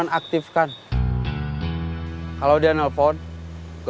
pertiga kamu diajar orang